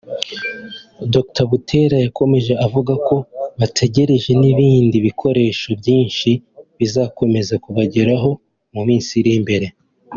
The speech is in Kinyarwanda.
Dr Butera yakomeje avuga ko bategereje n’ibindi bikoresho byinshi bizakomeza kubageraho mu minsi iri imbere